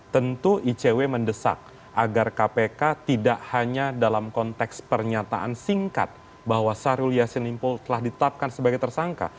tentu icw mendesak agar kpk tidak hanya dalam konteks pernyataan singkat bahwa syahrul yassin limpo telah ditetapkan sebagai tersangka